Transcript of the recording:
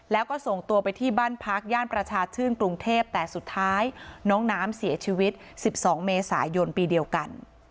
แล้วก็ส่งตัวไปที่บ้านพักย่านประชาชื่นกรุงเทพแต่สุดท้ายน้องน้ำเสียชีวิต๑๒เมษายนปีเดียวกัน